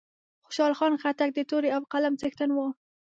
خوشحال خان خټک د تورې او قلم څښتن وو